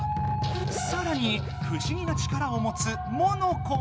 さらにふしぎな力をもつモノコ。